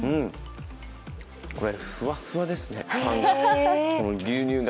これ、ふわっふわですね、パンが。